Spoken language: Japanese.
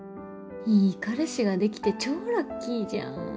いい彼氏ができて超ラッキーじゃん。